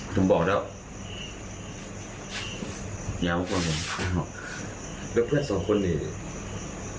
ผมบอกแล้วย้ำก่อนแล้วเพื่อนสองคนเนี่ย